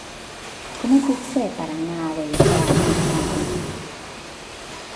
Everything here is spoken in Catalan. Com ho puc fer per anar a Bellprat amb moto?